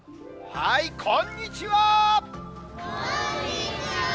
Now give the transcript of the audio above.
はい、こんにちは。